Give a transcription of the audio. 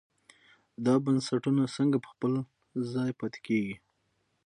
دا بنسټونه څنګه په خپل ځای پاتې کېږي.